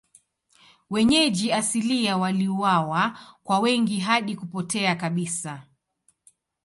Wenyeji asilia waliuawa kwa wingi hadi kupotea kabisa.